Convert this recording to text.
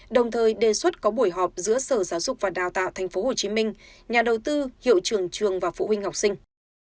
đồng thời đề xuất có buổi họp giữa sở giáo dục và đào tạo tp hcm nhà đầu tư hiệu trường trường và phụ huynh học sinh